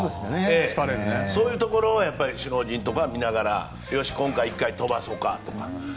そういうところを首脳陣とかは見ながら今回は１回飛ばそうかとか。